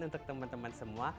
untuk teman teman semua